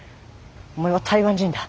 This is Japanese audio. お前は台湾人だ。